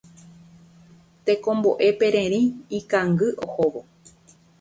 Tekomboʼe pererĩ ikangy ohóvo.